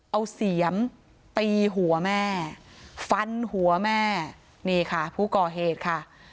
เอาเสียมตีหัวแม่ฟันหัวแม่นี่ค่ะผู้ก่อเหตุค่ะ